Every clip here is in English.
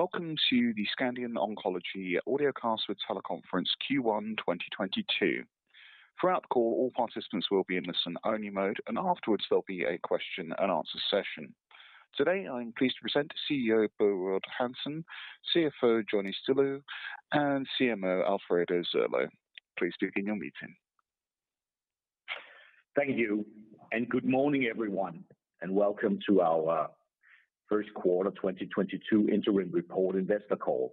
Welcome to the Scandion Oncology audiocast for teleconference Q1 2022. Throughout the call, all participants will be in listen-only mode, and afterwards there'll be a question and answer session. Today, I'm pleased to present CEO Bo Rode Hansen, CFO Johnny Stilou, and CMO Alfredo Zurlo. Please begin your meeting. Thank you, and good morning everyone, and welcome to our first quarter 2022 interim report investor call.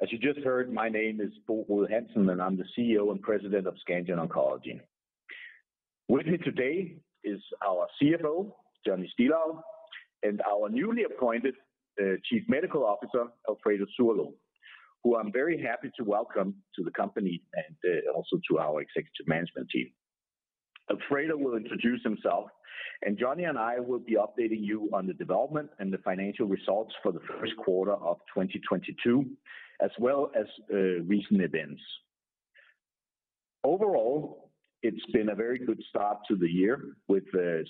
As you just heard, my name is Bo Rode Hansen, and I'm the CEO and President of Scandion Oncology. With me today is our CFO, Johnny Stilou, and our newly appointed Chief Medical Officer, Alfredo Zurlo, who I'm very happy to welcome to the company and also to our executive management team. Alfredo will introduce himself, and Johnny and I will be updating you on the development and the financial results for the first quarter of 2022, as well as recent events. Overall, it's been a very good start to the year, with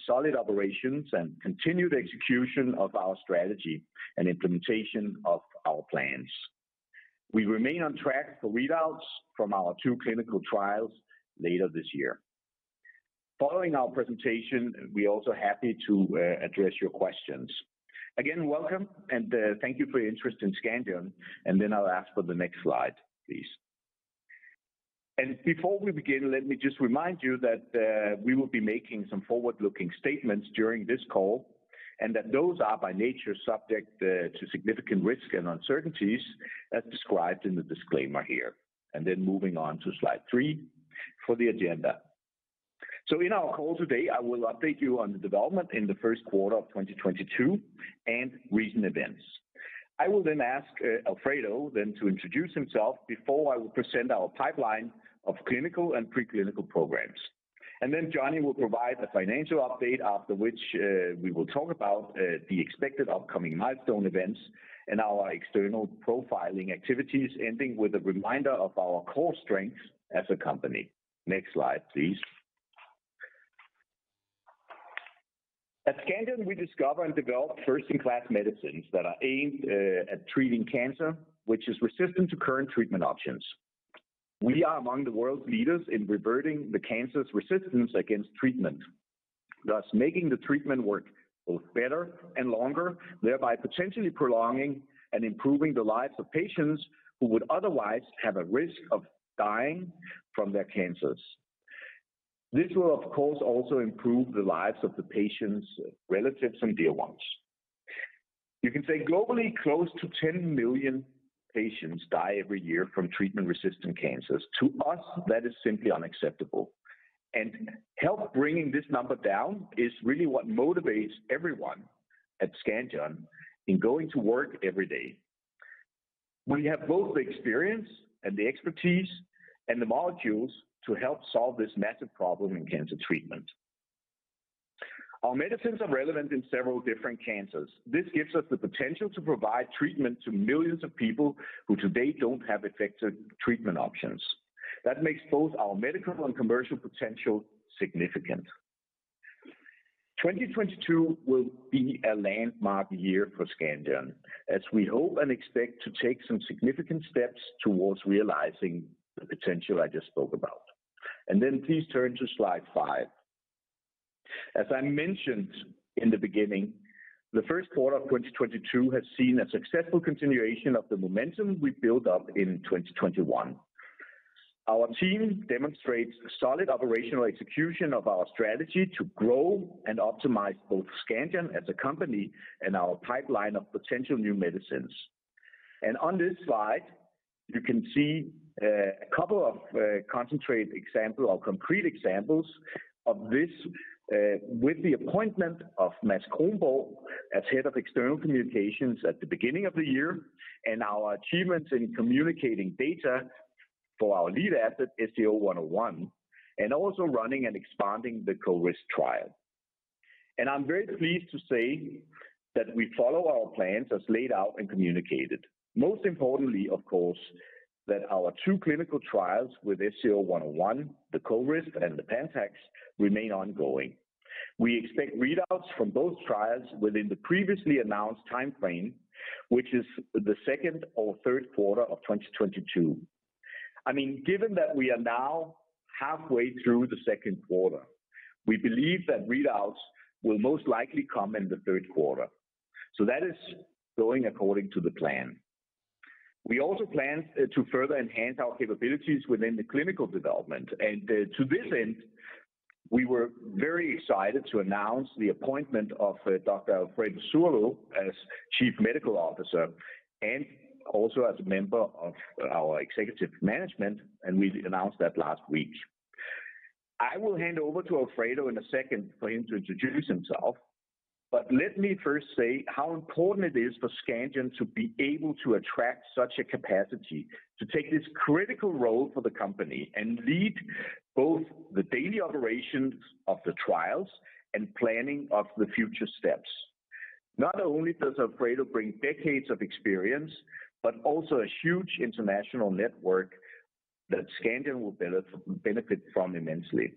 solid operations and continued execution of our strategy and implementation of our plans. We remain on track for readouts from our two clinical trials later this year. Following our presentation, we're also happy to address your questions. Again, welcome and thank you for your interest in Scandion, and then I'll ask for the next slide, please. Before we begin, let me just remind you that we will be making some forward-looking statements during this call, and that those are by nature subject to significant risk and uncertainties as described in the disclaimer here. Moving on to slide three for the agenda. In our call today, I will update you on the development in the first quarter of 2022 and recent events. I will then ask Alfredo to introduce himself before I will present our pipeline of clinical and pre-clinical programs. Johnny will provide a financial update, after which, we will talk about the expected upcoming milestone events and our external profiling activities, ending with a reminder of our core strengths as a company. Next slide, please. At Scandion, we discover and develop first-in-class medicines that are aimed at treating cancer, which is resistant to current treatment options. We are among the world's leaders in reverting the cancer's resistance against treatment, thus making the treatment work both better and longer, thereby potentially prolonging and improving the lives of patients who would otherwise have a risk of dying from their cancers. This will, of course, also improve the lives of the patients' relatives and dear ones. You can say globally, close to 10 million patients die every year from treatment-resistant cancers. To us, that is simply unacceptable. Help bringing this number down is really what motivates everyone at Scandion in going to work every day. We have both the experience and the expertise and the molecules to help solve this massive problem in cancer treatment. Our medicines are relevant in several different cancers. This gives us the potential to provide treatment to millions of people who today don't have effective treatment options. That makes both our medical and commercial potential significant. 2022 will be a landmark year for Scandion, as we hope and expect to take some significant steps towards realizing the potential I just spoke about. Please turn to slide five. As I mentioned in the beginning, the first quarter of 2022 has seen a successful continuation of the momentum we built up in 2021. Our team demonstrates solid operational execution of our strategy to grow and optimize both Scandion as a company and our pipeline of potential new medicines. On this slide, you can see a couple of concrete examples of this, with the appointment of Mads Kronborg as Head of External Communications at the beginning of the year, and our achievements in communicating data for our lead asset, SCO-101, and also running and expanding the CORIST trial. I'm very pleased to say that we follow our plans as laid out and communicated. Most importantly, of course, that our two clinical trials with SCO-101, the CORIST and the PANTAX, remain ongoing. We expect readouts from both trials within the previously announced timeframe, which is the second or third quarter of 2022. I mean, given that we are now halfway through the second quarter, we believe that readouts will most likely come in the third quarter. That is going according to the plan. We also plan to further enhance our capabilities within the clinical development. To this end, we were very excited to announce the appointment of Dr. Alfredo Zurlo as Chief Medical Officer and also as a member of our executive management, and we announced that last week. I will hand over to Alfredo in a second for him to introduce himself, but let me first say how important it is for Scandion to be able to attract such a capacity to take this critical role for the company and lead both the daily operations of the trials and planning of the future steps. Not only does Alfredo bring decades of experience, but also a huge international network that Scandion will benefit from immensely.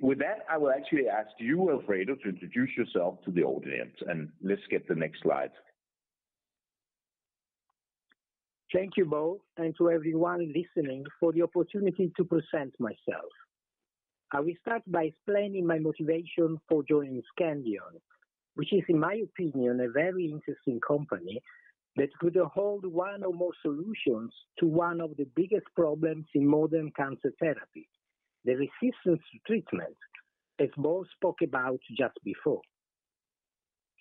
With that, I will actually ask you, Alfredo, to introduce yourself to the audience. Let's get the next slide. Thank you, Bo, and to everyone listening for the opportunity to present myself. I will start by explaining my motivation for joining Scandion, which is, in my opinion, a very interesting company that could hold one or more solutions to one of the biggest problems in modern cancer therapy, the resistance to treatment, as Bo spoke about just before.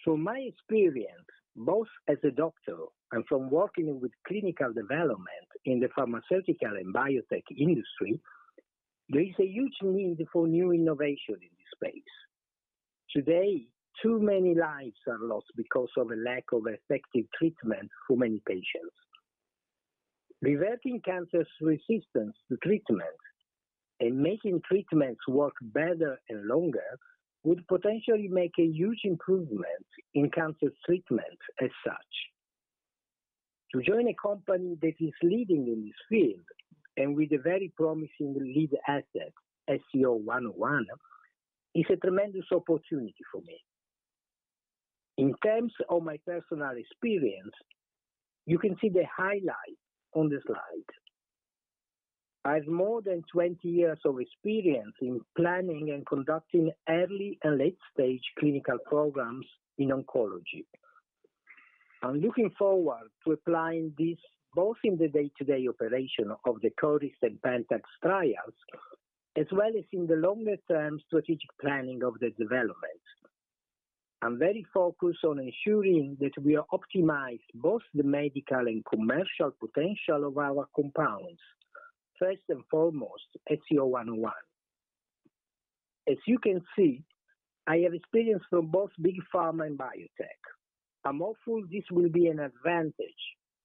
From my experience, both as a doctor and from working with clinical development in the pharmaceutical and biotech industry, there is a huge need for new innovation in this space. Today, too many lives are lost because of a lack of effective treatment for many patients. Reversing cancer's resistance to treatment and making treatments work better and longer would potentially make a huge improvement in cancer treatment as such. To join a company that is leading in this field and with a very promising lead asset, SCO-101, is a tremendous opportunity for me. In terms of my personal experience, you can see the highlights on the slide. I have more than 20 years of experience in planning and conducting early and late-stage clinical programs in oncology. I'm looking forward to applying this both in the day-to-day operation of the CORIST and PANTAX trials, as well as in the longer-term strategic planning of the development. I'm very focused on ensuring that we optimize both the medical and commercial potential of our compounds, first and foremost, SCO-101. As you can see, I have experience from both big pharma and biotech. I'm hopeful this will be an advantage.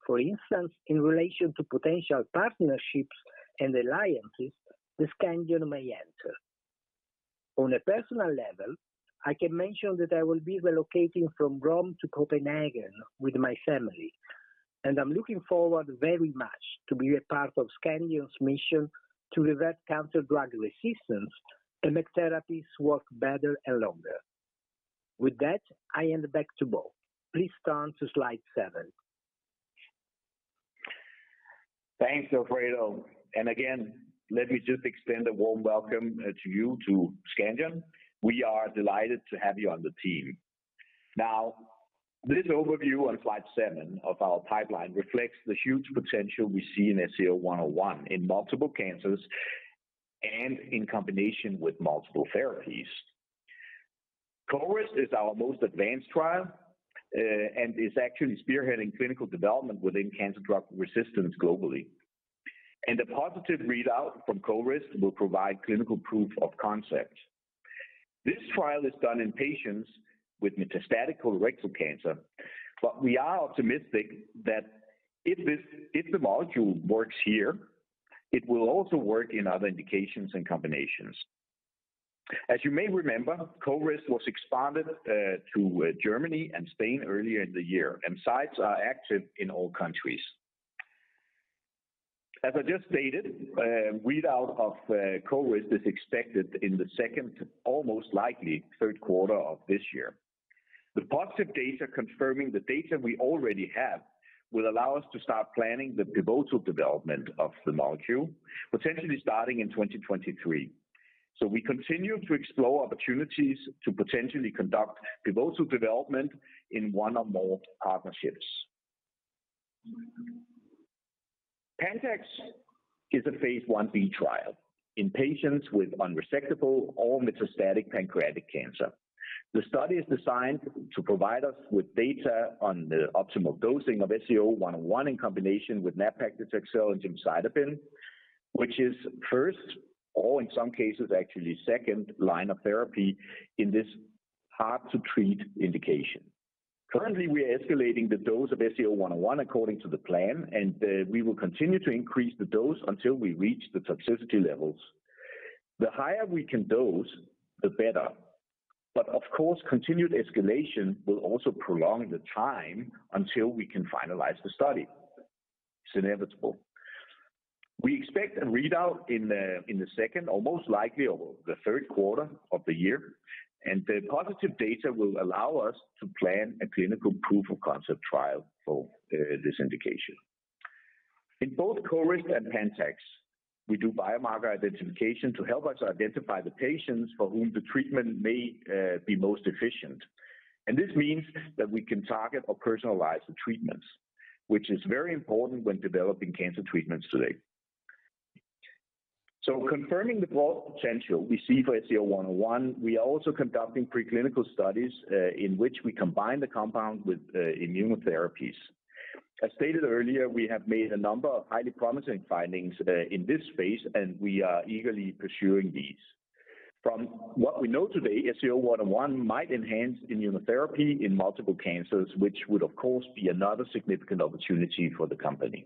For instance, in relation to potential partnerships and alliances that Scandion may enter. On a personal level, I can mention that I will be relocating from Rome to Copenhagen with my family, and I'm looking forward very much to be a part of Scandion's mission to reverse cancer drug resistance and make therapies work better and longer. With that, I hand back to Bo. Please turn to slide seven. Thanks, Alfredo. Again, let me just extend a warm welcome to you to Scandion. We are delighted to have you on the team. Now, this overview on slide seven of our pipeline reflects the huge potential we see in SCO-101 in multiple cancers and in combination with multiple therapies. CORIST is our most advanced trial, and is actually spearheading clinical development within cancer drug resistance globally. A positive readout from CORIST will provide clinical proof of concept. This trial is done in patients with metastatic colorectal cancer, but we are optimistic that if the molecule works here, it will also work in other indications and combinations. As you may remember, CORIST was expanded to Germany and Spain earlier in the year, and sites are active in all countries. As I just stated, readout of CORIST is expected in the second, most likely third quarter of this year. The positive data confirming the data we already have will allow us to start planning the pivotal development of the molecule, potentially starting in 2023. We continue to explore opportunities to potentially conduct pivotal development in one or more partnerships. PANTAX is a Phase Ib trial in patients with unresectable or metastatic pancreatic cancer. The study is designed to provide us with data on the optimal dosing of SCO-101 in combination with nab-paclitaxel and gemcitabine, which is first or in some cases actually second line of therapy in this hard-to-treat indication. Currently, we are escalating the dose of SCO-101 according to the plan, and we will continue to increase the dose until we reach the toxicity levels. The higher we can dose, the better. Of course, continued escalation will also prolong the time until we can finalize the study. It's inevitable. We expect a readout in the second or most likely the third quarter of the year, and the positive data will allow us to plan a clinical proof of concept trial for this indication. In both CORIST and PANTAX, we do biomarker identification to help us identify the patients for whom the treatment may be most efficient. This means that we can target or personalize the treatments, which is very important when developing cancer treatments today. Confirming the broad potential we see for SCO-101, we are also conducting preclinical studies in which we combine the compound with immunotherapies. As stated earlier, we have made a number of highly promising findings in this space, and we are eagerly pursuing these. From what we know today, SCO-101 might enhance immunotherapy in multiple cancers, which would of course be another significant opportunity for the company.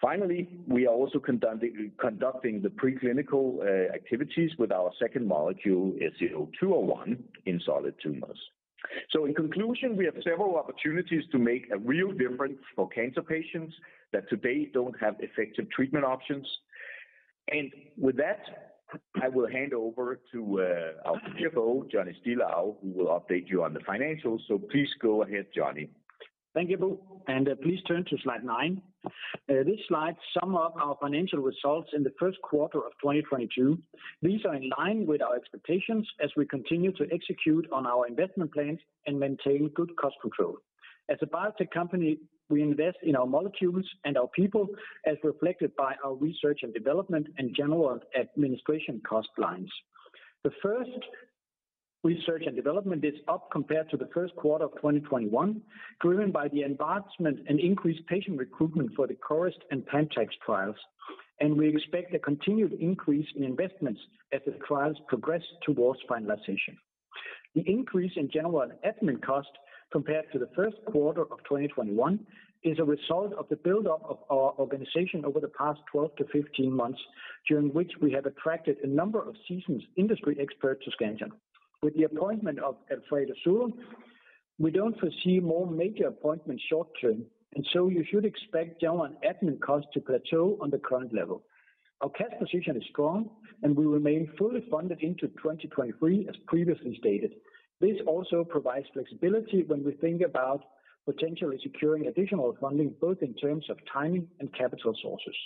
Finally, we are also conducting the preclinical activities with our second molecule, SCO-201, in solid tumors. In conclusion, we have several opportunities to make a real difference for cancer patients that today don't have effective treatment options. With that, I will hand over to our CFO, Johnny Stilou, who will update you on the financials. Please go ahead, Johnny. Thank you, Bo, and please turn to slide nine. This slide sums up our financial results in the first quarter of 2022. These are in line with our expectations as we continue to execute on our investment plans and maintain good cost control. As a biotech company, we invest in our molecules and our people as reflected by our research and development and general administration cost lines. The research and development is up compared to the first quarter of 2021, driven by the advancement and increased patient recruitment for the CORIST and PANTAX trials, and we expect a continued increase in investments as the trials progress towards finalization. The increase in general admin cost compared to the first quarter of 2021 is a result of the buildup of our organization over the past 12 to 15 months, during which we have attracted a number of seasoned industry experts to Scandion. With the appointment of Alfredo Zurlo, we don't foresee more major appointments short term, and so you should expect general admin costs to plateau on the current level. Our cash position is strong, and we remain fully funded into 2023, as previously stated. This also provides flexibility when we think about potentially securing additional funding, both in terms of timing and capital sources.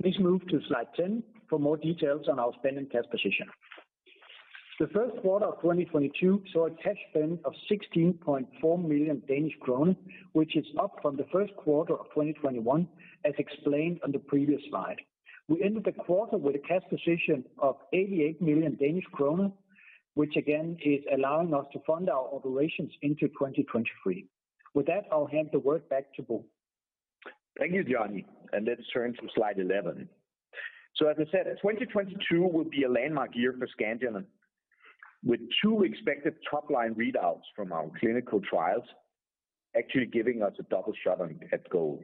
Please move to slide 10 for more details on our spend and cash position. The first quarter of 2022 saw a cash spend of 16.4 million Danish kroner, which is up from the first quarter of 2021, as explained on the previous slide. We ended the quarter with a cash position of 88 million Danish kroner, which again is allowing us to fund our operations into 2023. With that, I'll hand the word back to Bo. Thank you, Johnny, and let's turn to slide 11. As I said, 2022 will be a landmark year for Scandion, with two expected top-line readouts from our clinical trials actually giving us a double shot on at goal.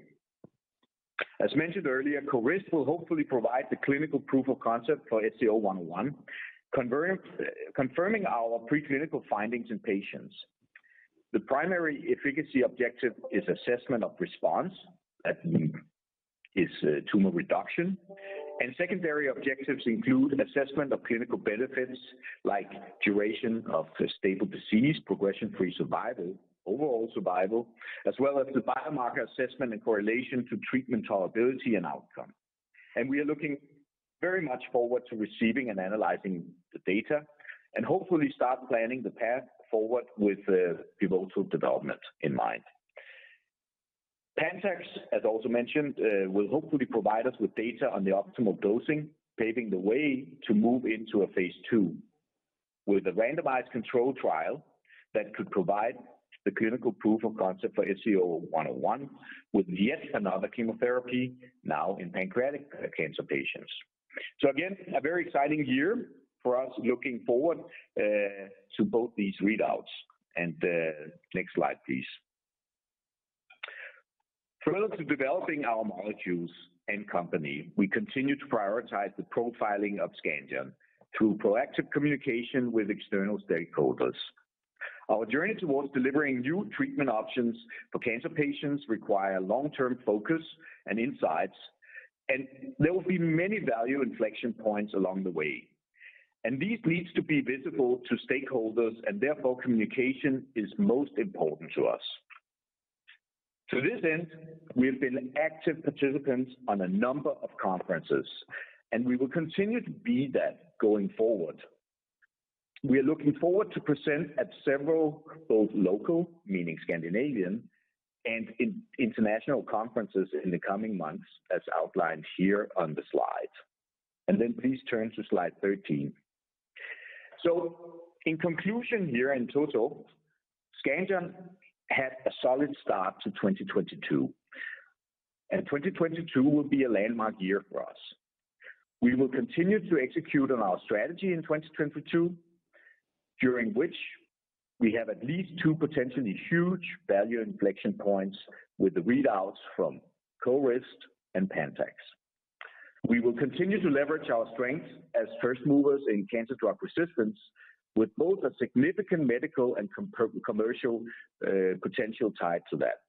As mentioned earlier, CORIST will hopefully provide the clinical proof of concept for SCO-101, confirming our preclinical findings in patients. The primary efficacy objective is assessment of response, that is tumor reduction. Secondary objectives include assessment of clinical benefits, like duration of stable disease, progression-free survival, overall survival, as well as the biomarker assessment and correlation to treatment tolerability and outcome. We are looking very much forward to receiving and analyzing the data and hopefully start planning the path forward with pivotal development in mind. PANTAX, as also mentioned, will hopefully provide us with data on the optimal dosing, paving the way to move into a phase II with a randomized control trial that could provide the clinical proof of concept for SCO-101 with yet another chemotherapy now in pancreatic cancer patients. Again, a very exciting year for us looking forward to both these readouts. Next slide, please. Further to developing our molecules and company, we continue to prioritize the profiling of Scandion through proactive communication with external stakeholders. Our journey towards delivering new treatment options for cancer patients require long-term focus and insights, and there will be many value inflection points along the way. These needs to be visible to stakeholders, and therefore communication is most important to us. To this end, we have been active participants on a number of conferences, and we will continue to be that going forward. We are looking forward to present at several both local, meaning Scandinavian, and international conferences in the coming months, as outlined here on the slide. Please turn to slide 13. In conclusion here, in total, Scandion had a solid start to 2022, and 2022 will be a landmark year for us. We will continue to execute on our strategy in 2022, during which we have at least two potentially huge value inflection points with the readouts from CORIST and PANTAX. We will continue to leverage our strengths as first movers in cancer drug resistance with both a significant medical and commercial potential tied to that.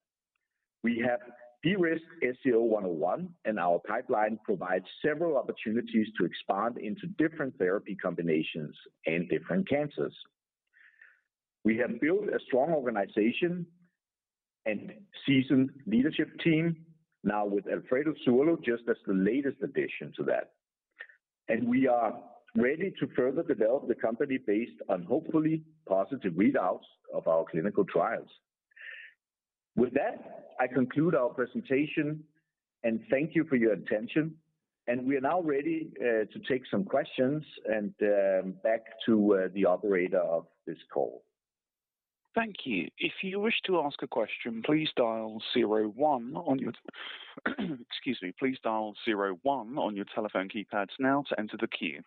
We have de-risked SCO-101, and our pipeline provides several opportunities to expand into different therapy combinations and different cancers. We have built a strong organization and seasoned leadership team, now with Alfredo Zurlo just as the latest addition to that. We are ready to further develop the company based on hopefully positive readouts of our clinical trials. With that, I conclude our presentation and thank you for your attention, and we are now ready to take some questions and back to the operator of this call. Thank you. If you wish to ask a question, please dial zero one on your telephone keypads now to enter the queue.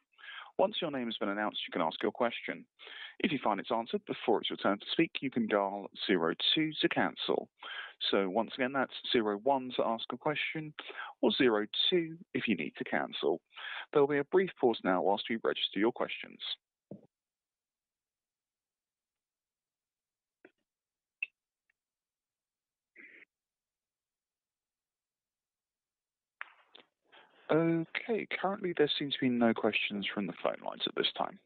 Once your name has been announced, you can ask your question. If you find it's answered before it's your turn to speak, you can dial zero two to cancel. Once again, that's zero one to ask a question or zero two if you need to cancel. There'll be a brief pause now while we register your questions. Okay. Currently, there seems to be no questions from the phone lines at this time.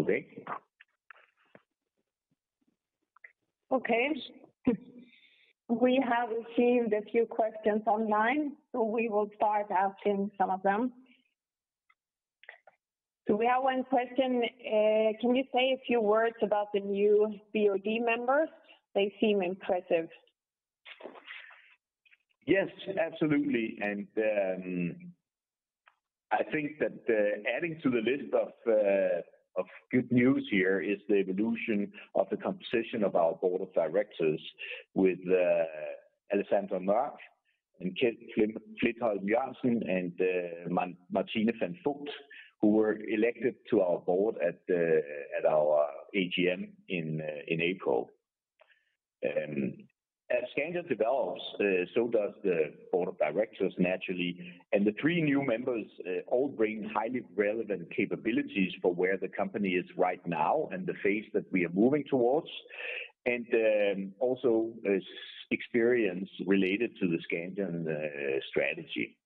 Okay. Okay. We have received a few questions online, so we will start asking some of them. We have one question. Can you say a few words about the new BOD members? They seem impressive. Yes, absolutely. I think that adding to the list of good news here is the evolution of the composition of our Board of Directors with Alejandra Mørk and Keld Flintholm-Jørgensen and Martine van Vugt who were elected to our board at our AGM in April. As Scandion develops, so does the board of directors naturally. The three new members all bring highly relevant capabilities for where the company is right now and the phase that we are moving towards, and also experience related to the Scandion strategy.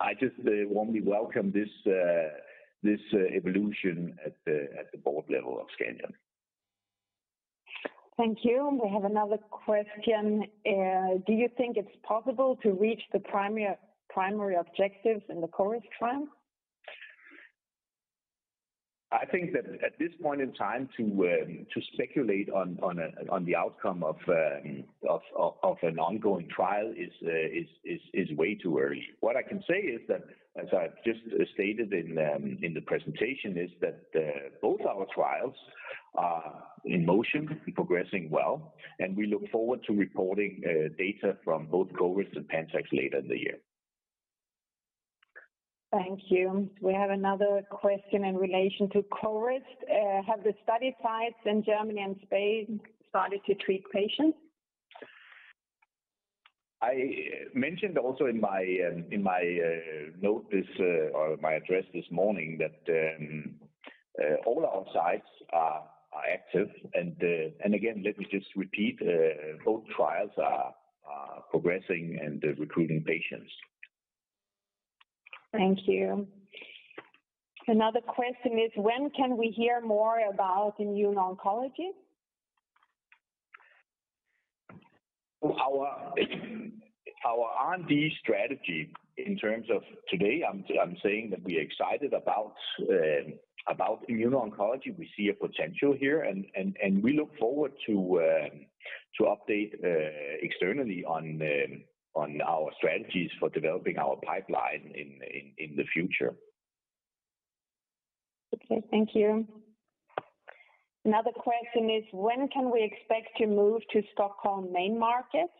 I just warmly welcome this evolution at the board level of Scandion. Thank you. We have another question. Do you think it's possible to reach the primary objectives in the CORIST trial? I think that at this point in time to speculate on the outcome of an ongoing trial is way too early. What I can say is that, as I just stated in the presentation, is that both our trials are in motion and progressing well, and we look forward to reporting data from both CORIST and PANTAX later in the year. Thank you. We have another question in relation to CORIST. Have the study sites in Germany and Spain started to treat patients? I mentioned also in my note or my address this morning that all our sites are active. Again, let me just repeat, both trials are progressing and recruiting patients. Thank you. Another question is, when can we hear more about immuno-oncology? Our R&D strategy in terms of today, I'm saying that we are excited about immuno-oncology. We see a potential here, and we look forward to update externally on our strategies for developing our pipeline in the future. Okay, thank you. Another question is, when can we expect to move to Stockholm main markets?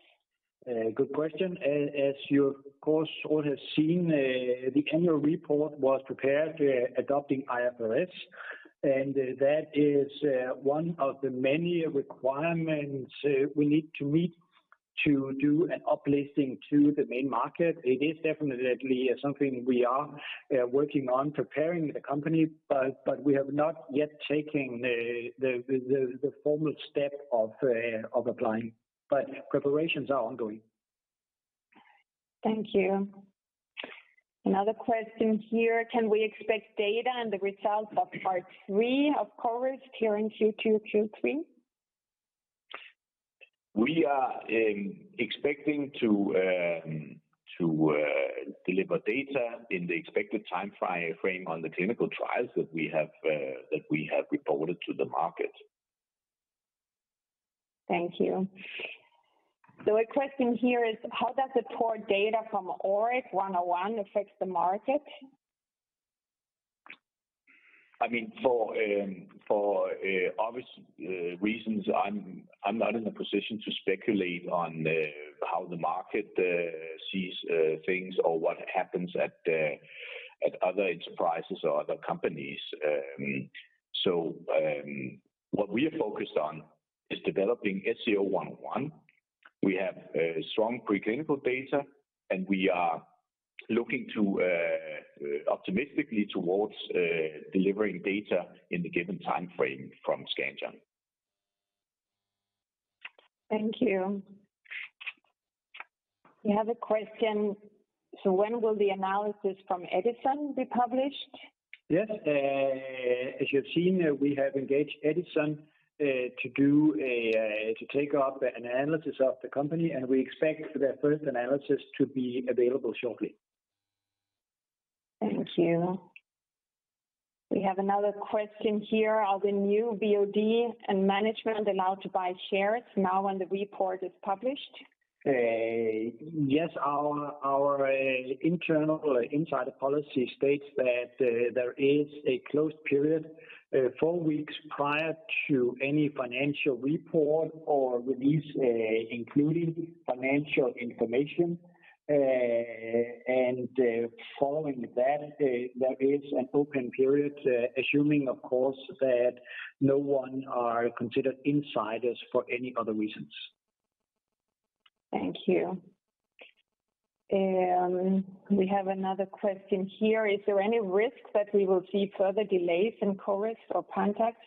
Good question. As you of course all have seen, the annual report was prepared adopting IFRS, and that is one of the many requirements we need to meet to do an uplisting to the main market. It is definitely something we are working on preparing the company, but we have not yet taken the formal step of applying. Preparations are ongoing. Thank you. Another question here, can we expect data and the results of part three of CORIST here in Q2, Q3? We are expecting to deliver data in the expected timeframe on the clinical trials that we have reported to the market. Thank you. A question here is, how does the poor data from ORIC-101 affect the market? I mean, for obvious reasons, I'm not in a position to speculate on how the market sees things or what happens at other enterprises or other companies. What we are focused on is developing SCO-101. We have strong preclinical data, and we are looking to optimistically towards delivering data in the given timeframe from Scandion. Thank you. We have a question. When will the analysis from Edison be published? Yes. As you have seen, we have engaged Edison to take up an analysis of the company, and we expect their first analysis to be available shortly. Thank you. We have another question here. Are the new BOD and management allowed to buy shares now when the report is published? Yes. Our internal or insider policy states that there is a closed period four weeks prior to any financial report or release, including financial information. Following that, there is an open period, assuming of course that no one are considered insiders for any other reasons. Thank you. We have another question here. Is there any risk that we will see further delays in CORIST or PANTAX?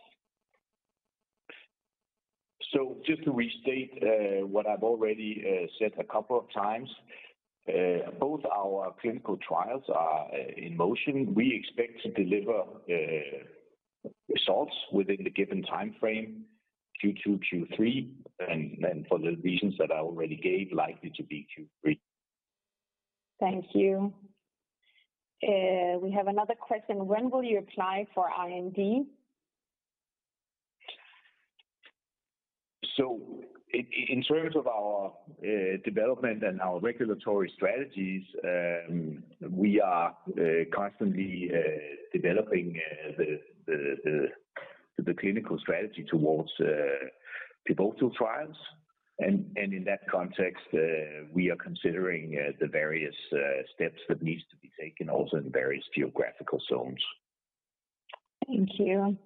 Just to restate what I've already said a couple of times, both our clinical trials are in motion. We expect to deliver results within the given timeframe Q2, Q3, and then for the reasons that I already gave, likely to be Q3. Thank you. We have another question. When will you apply for IND? In terms of our development and our regulatory strategies, we are constantly developing the clinical strategy towards pivotal trials. In that context, we are considering the various steps that needs to be taken also in various geographical zones. Thank you.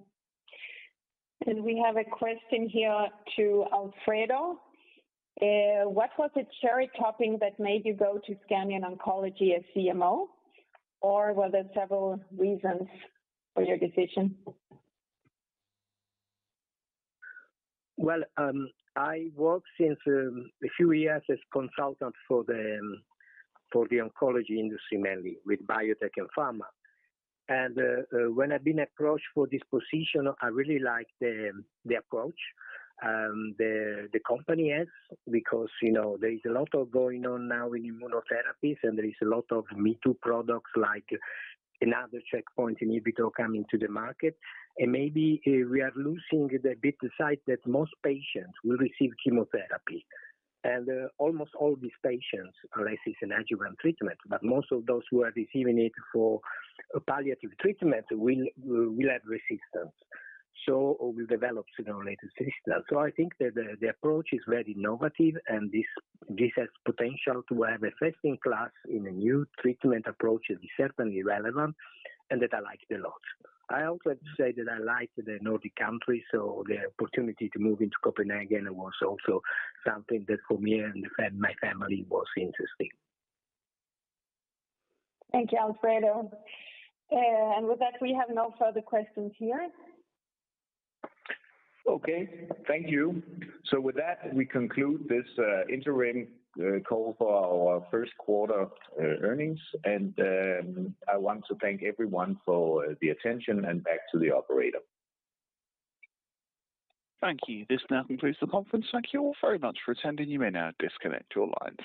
We have a question here to Alfredo. What was the cherry topping that made you go to Scandion Oncology as CMO? Or were there several reasons for your decision? Well, I worked since a few years as consultant for the oncology industry, mainly with biotech and pharma. When I've been approached for this position, I really like the approach the company has because, you know, there is a lot of going on now in immunotherapies, and there is a lot of me-too products like another checkpoint inhibitor coming to the market. Maybe we are losing a bit the sight that most patients will receive chemotherapy. Almost all these patients are receiving adjuvant treatment, but most of those who are receiving it for palliative treatment will have resistance. Will develop, you know, later resistance. I think that the approach is very innovative, and this has potential to have a first in class in a new treatment approach is certainly relevant and that I like it a lot. I also have to say that I like the Nordic country, so the opportunity to move into Copenhagen was also something that for me and my family was interesting. Thank you, Alfredo. With that, we have no further questions here. Okay. Thank you. With that, we conclude this interim call for our first quarter earnings. I want to thank everyone for the attention and back to the operator. Thank you. This now concludes the conference. Thank you all very much for attending. You may now disconnect your lines.